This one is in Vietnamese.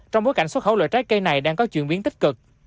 trong bối cảnh xuất khẩu loại trái cây này đang có chuyển biến tích cực